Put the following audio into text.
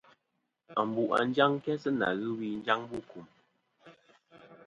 Ambu a njaŋ kæ sɨ nà ghɨ wi njaŋ bu kùm.